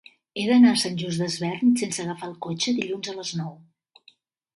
He d'anar a Sant Just Desvern sense agafar el cotxe dilluns a les nou.